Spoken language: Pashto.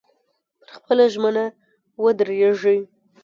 پر خپله ژمنه ودرېږئ.